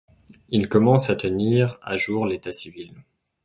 Il commence à tenir à jour l’état-civil.